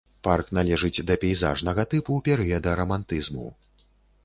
Парк належыць да пейзажнага тыпу перыяда рамантызму.